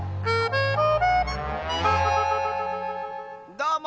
どうも。